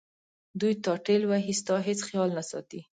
دوی تا ټېل وهي ستا هیڅ خیال نه ساتي.